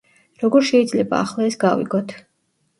როგორ შეიძლება ახლა ეს გავიგოთ?